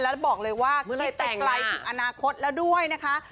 แล้วบอกเลยว่าคิดไปไกลถึงอนาคตแล้วด้วยนะคะ